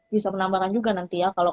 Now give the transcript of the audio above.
bisa menambahkan juga nanti ya kalau